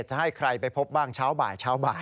๔๕๖๗จะให้ใครไปพบบ้างเช้าบ่าย